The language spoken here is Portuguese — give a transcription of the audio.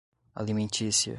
alimentícia